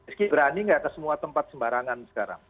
meski berani nggak ke semua tempat sembarangan sekarang